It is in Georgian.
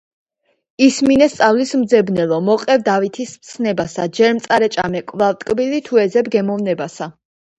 ისმინე სწავლის მძბნელო მოყევ დავითის მცნებასა ჯერ მწარე ჭამე კვლავ ტკბილი თუ ეძებ გემოვნებასა